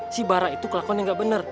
si bara itu kelakonnya gak bener